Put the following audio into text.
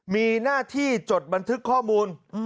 มีหน้าที่จดบันทึกข้อมูล